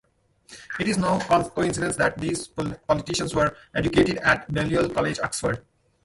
It is no coincidence that these politicians were educated at Balliol College, Oxford.